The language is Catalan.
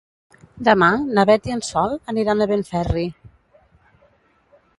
Demà na Beth i en Sol aniran a Benferri.